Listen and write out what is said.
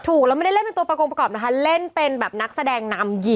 ถูกแล้วไม่ได้เล่นเป็นตัวประกงประกอบนะคะเล่นเป็นแบบนักแสดงนำหญิง